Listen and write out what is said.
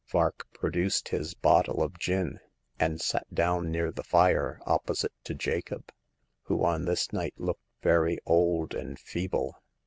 Vark produced his bottle of gin, and sat down near the fire, opposite to Jacob, who on this night looked very old and feeble.